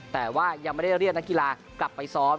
แต่ว่ายังไม่ได้เรียกนักกีฬากลับไปซ้อม